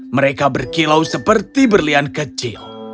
mereka berkilau seperti berlian kecil